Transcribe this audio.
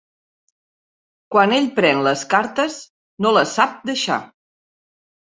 Quan ell pren les cartes no les sap deixar.